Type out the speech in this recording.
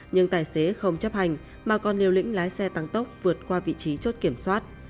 nhưng tài xế không chấp hành mà còn liều lĩnh lái xe tăng tốc vượt qua vị trí chốt kiểm soát